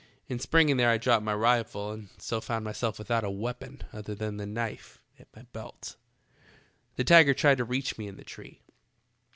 In springing there I dropped my rifle, and so found myself without a weapon other than the knife at my belt. "The tiger tried to reach me in the tree.